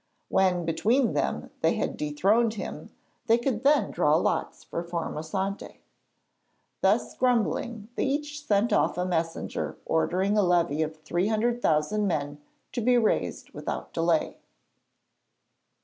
When between them they had dethroned him, they could then draw lots for Formosante. Thus grumbling, they each sent off a messenger ordering a levy of three hundred thousand men to be raised without delay.